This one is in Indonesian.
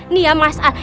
nih ya mas al